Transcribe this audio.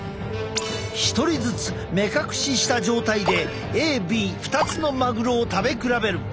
１人ずつ目隠しした状態でＡＢ２つのマグロを食べ比べる。